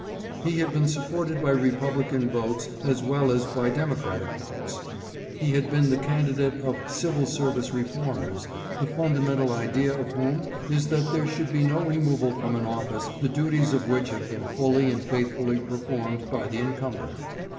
He had been supported by Republican votes as well as by Democratic votes. He had been the candidate of civil service reformers, the fundamental idea of whom is that there should be no removal from an office the duties of which have been fully and faithfully performed by the incumbent.